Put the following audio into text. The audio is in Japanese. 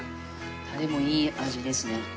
タレもいい味ですね。